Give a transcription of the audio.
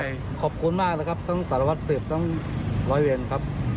อยากขอบคุณมากเลยครับทั้งสารวัฒนศิษย์ทั้งร้อยเวียนครับ